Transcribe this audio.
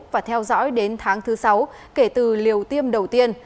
và theo dõi đến tháng thứ sáu kể từ liều tiêm đầu tiên